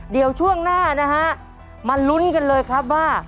เดี๋ยวช่วงหน้านะฮะมาลุ้นกันเลยครับว่า